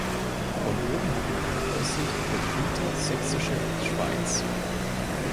Von oben hat man eine Aussicht über die Hintere Sächsische Schweiz.